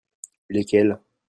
Lesquelles ?